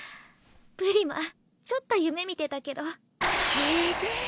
プリマちょっと夢見てたけど。